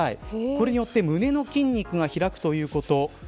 これによって胸の筋肉が開くということ